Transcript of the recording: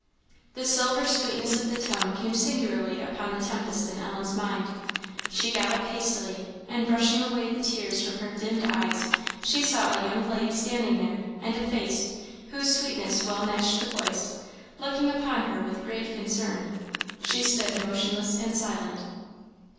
The silver sweetness of the tone came singularly upon the tempest in Ellen's mind. She got up hastily, and, brushing away the tears from her dimmed eyes, she saw a young lady standing there, and a face, whose sweetness well matched the voice, looking upon her with grave concern. She stood motionless and silent.